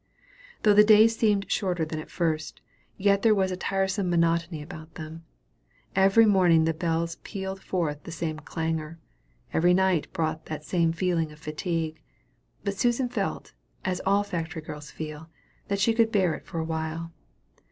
Though the days seemed shorter than at first, yet there was a tiresome monotony about them. Every morning the bells pealed forth the same clangor, and every night brought the same feeling of fatigue. But Susan felt, as all factory girls feel, that she could bear it for a while.